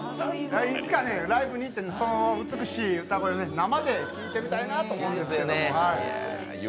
いつかライブに行って美しい歌声を生で聴いてみたいと思います。